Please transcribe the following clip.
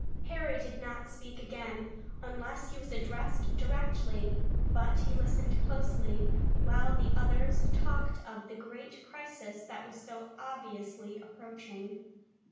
Harry did not speak again, unless he was addressed directly, but he listened closely, while the others talked of the great crisis that was so obviously approaching.